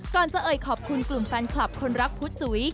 จะเอ่ยขอบคุณกลุ่มแฟนคลับคนรักพุธจุ๋ย